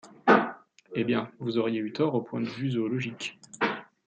Eh bien ! vous auriez eu tort au point de vue zoologique !